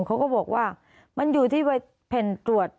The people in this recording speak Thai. เขาก็บอกว่ามันอยู่ที่แผ่นตรวจ